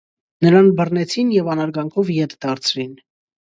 Նրան բռնեցին և անարգանքով ետ դարձրին։